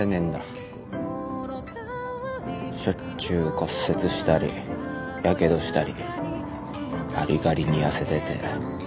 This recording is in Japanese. しょっちゅう骨折したりやけどしたりがりがりに痩せてて。